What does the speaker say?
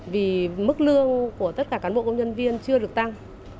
vì mức lương của tất cả cán bộ công nhân viên chưa được tăng